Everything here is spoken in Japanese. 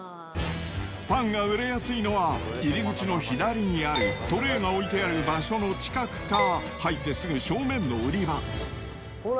パンが売れやすいのは、入り口の左にあるトレーが置いてある場所の近くか、入ってすぐの正面の売り場。